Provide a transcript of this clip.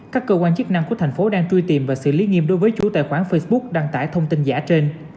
các cơ quan chức năng của thành phố đang truy tìm và xử lý nghiêm đối với chủ tài khoản facebook đăng tải thông tin giả trên